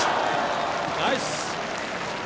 ナイス！